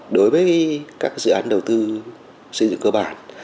đối với các dự án đầu tư xây dựng cơ bản